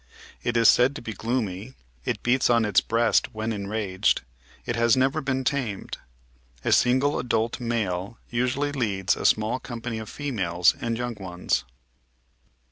It is said to be gloomy ; it beats on its breast when enraged ; it has never been tamed. A single adult male usually leads a small company of females and young ones.